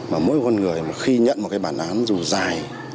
mỗi con người khi nhận một cái bản án dù dài